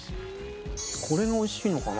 これがおいしいのかな